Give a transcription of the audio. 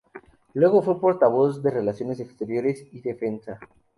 Luego fue portavoz de relaciones exteriores y defensa.